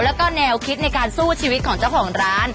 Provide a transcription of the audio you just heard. แล้วก็แนวคิดในการสู้ชีวิตของเจ้าของร้าน